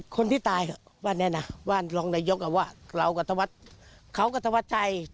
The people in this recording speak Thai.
คนที่ตายว่าไหนนะว่าลองนายกว่าเขาก็ทวชชัย